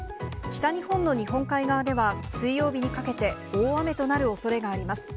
北日本の日本海側では、水曜日にかけて大雨となるおそれがあります。